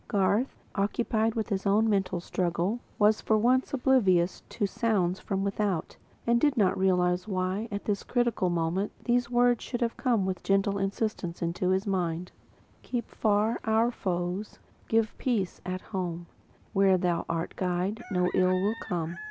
Garth, occupied with his own mental struggle, was, for once, oblivious to sounds from without, and did not realise why, at this critical moment, these words should have come with gentle insistence into his mind: "Keep far our foes; give peace at home; Where Thou art Guide, no ill can come."